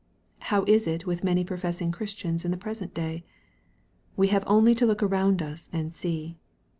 How is it with many professing Christians in the pre sent day ? We have only to look around us and see.